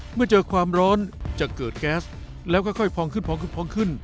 เมื่อเจอความร้อนจะเกิดแก๊สแล้วก็ค่อยพองขึ้นขึ้น